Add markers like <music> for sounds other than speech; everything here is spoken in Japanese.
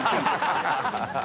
ハハハ <laughs>